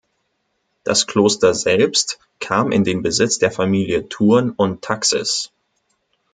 Das Kloster selbst kam in den Besitz der Familie Thurn und Taxis.